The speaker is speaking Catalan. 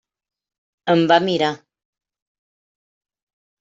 Em va mirar.